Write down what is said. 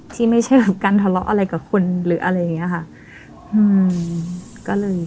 ที่ไม่ใช่แบบการทะเลาะอะไรกับคนหรืออะไรอย่างนี้ค่ะ